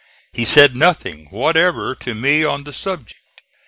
He said nothing whatever to me on the subject.